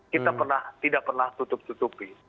kita tidak pernah tutup tutupi